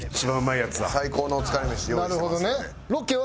最高のお疲れ飯用意してますんで。